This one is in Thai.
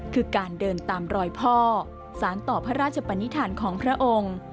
คือการเดินตามรอยพ่อสารต่อพระราชปนิษฐานของพระองค์